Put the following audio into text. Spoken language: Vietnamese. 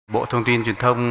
bộ thông tin truyền thông